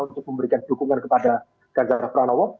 untuk memberikan dukungan kepada ganjar pranowo